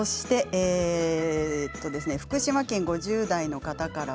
福島県５０代の方です。